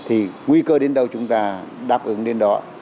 thì nguy cơ đến đâu chúng ta đáp ứng đến đó